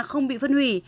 không bị phân hủy